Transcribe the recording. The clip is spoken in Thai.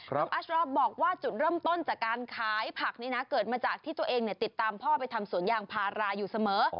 น้องอัชรอบอกว่าจุดเริ่มต้นจากการขายผักนี้นะเกิดมาจากที่ตัวเองติดตามพ่อไปทำสวนยางพาราอยู่เสมอ